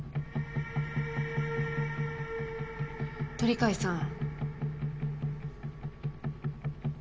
鳥飼さん。